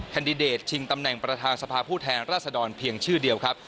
แดดิเดตชิงตำแหน่งประธานสภาผู้แทนราษฎรเพียงชื่อเดียวครับ